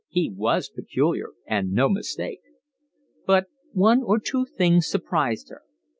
He was peculiar and no mistake. But one or two things surprised her.